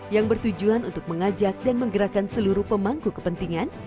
yang bertujuan untuk mengajak dan menggerakkan seluruh pemangku kepentingan